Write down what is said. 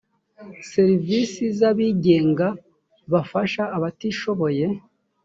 serivise z abigenga bafasha abatishoboye